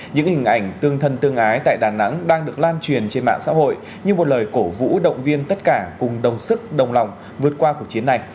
những hình ảnh tương thân tương ái tại đà nẵng đang được lan truyền trên mạng xã hội như một lời cổ vũ động viên tất cả cùng đồng sức đồng lòng vượt qua cuộc chiến này